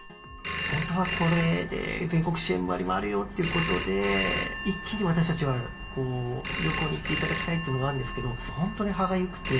本当はこれで全国支援割もあるよということで、一気に私たちは旅行に行っていただきたいっていうのがあるんですけど、本当に歯がゆくて。